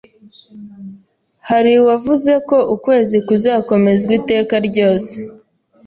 hari wavuze ko ukwezi ‘kuzakomezwa iteka ryose